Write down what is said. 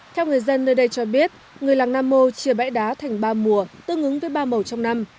theo người dân nơi đây cho biết người làng nam mô chia bãi đá thành ba mùa tương ứng với ba màu trong năm